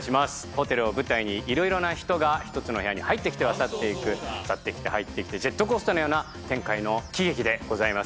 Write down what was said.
ホテルを舞台にいろいろな人が一つの部屋に入ってきては去っていく去っていって入ってきてジェットコースターのような展開の喜劇でございます。